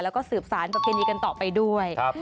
แล้วก็สืบสารประเพณีกันต่อไปด้วย